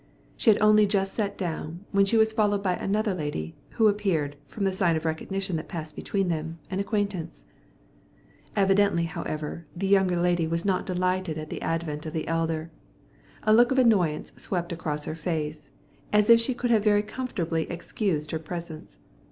She had only just sat down, when she was followed by another lady, who appeared, from the sign of recognition that passed between them, an acquaintance. Evidently, however, the younger lady was not delighted at the advent of the elder. A look of annoyance swept across her face, as if she could have very comfortably excused her presence.